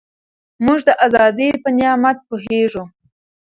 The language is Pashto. موږ د ازادۍ په نعمت پوهېږو.